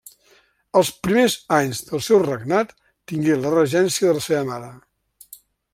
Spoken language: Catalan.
Els primers anys del seu regnat tingué la regència de la seva mare.